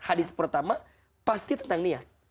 hadis pertama pasti tentang niat